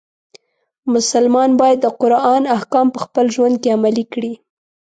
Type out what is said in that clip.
مسلمان باید د قرآن احکام په خپل ژوند کې عملی کړي.